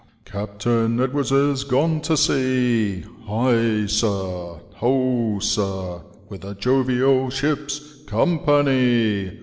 <* Captain Edwards is gone to sea, High sir, ho sir, With a jovial ship*s company